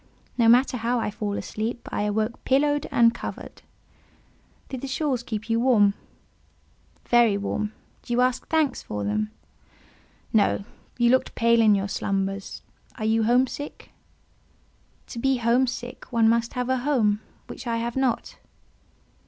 No matter how I fell asleep; I awoke pillowed and covered." "Did the shawls keep you warm?" "Very warm. Do you ask thanks for them?" "No. You looked pale in your slumbers: are you home sick?" "To be home sick, one must have a home; which I have not."